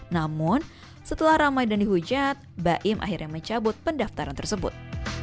namun setelah ramai dan dihujat baim akhirnya mencabut pendaftaran tersebut